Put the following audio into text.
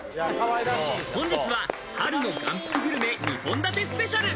本日は春の眼福グルメ２本立てスペシャル。